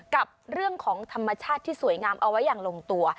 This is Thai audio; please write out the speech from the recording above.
กับเรื่องของธรรมชาติที่สวยงามเอาไว้อย่างลงตัว